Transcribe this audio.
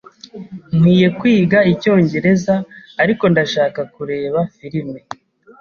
Nkwiye kwiga icyongereza, ariko ndashaka kureba firime.